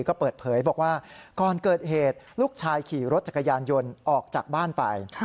ก็เปิดเผยบอกว่าก่อนเกิดเหตุลูกชายขี่รถจักรยานยนต์ออกจากบ้านไป